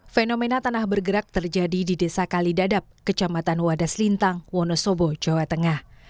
fenomena tanah bergerak terjadi di desa kalidadap kecamatan wadas lintang wonosobo jawa tengah